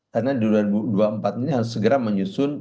karena dua ribu dua puluh empat ini harus segera menyusun